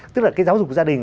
tức là cái giáo dục gia đình